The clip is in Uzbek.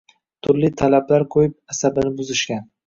Turli talablar qo‘yib asabini buzishgan